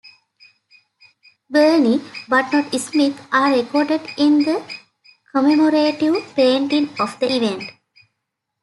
Birney, but not Smith, are recorded in the commemorative painting of the event.